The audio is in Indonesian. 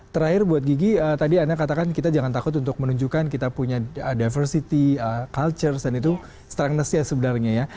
terakhir buat gigi tadi anda katakan kita jangan takut untuk menunjukkan kita punya diversity culture dan itu strengness ya sebenarnya ya